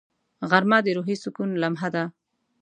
غرمه د روحي سکون لمحه ده